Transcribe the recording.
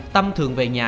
tâm thường về nhà